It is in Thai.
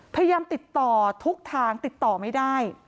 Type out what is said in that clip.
พยายามติดต่อทุกทางติดต่อไม่ได้